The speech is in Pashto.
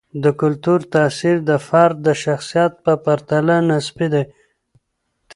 د کلتور تاثیر د فرد د شخصیت په پرتله نسبي دی.